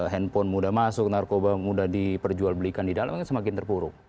handphone mudah masuk narkoba mudah diperjual belikan di dalam kan semakin terpuruk